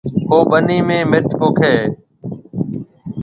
او ٻنِي ۾ مرچ پوکيَ ھيََََ